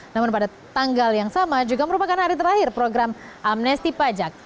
namun pada tanggal yang sama juga merupakan hari terakhir program amnesti pajak